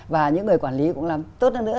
và những người quản lý cũng làm tốt hơn nữa